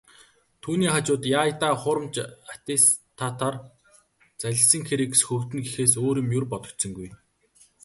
Түүний хажууд "яая даа, хуурамч аттестатаар залилсан хэрэг сөхөгдөнө" гэхээс өөр юм ер бодогдсонгүй.